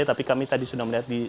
tapi kami tadi sudah melihat